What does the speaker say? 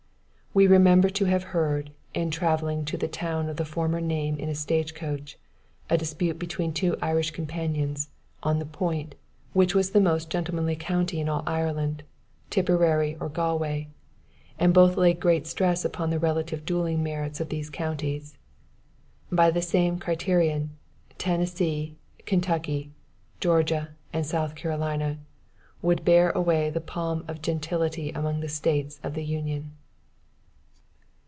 We remember to have heard, in travelling to the town of the former name in a stage coach, a dispute between two Irish companions, on the point, which was the most gentlemanly country in all Ireland Tipperary or Galway? and both laid great stress upon the relative duelling merits of those counties. By the same criterion, Tennessee, Kentucky, Georgia and South Carolina, would bear away the palm of gentility among the States of the Union.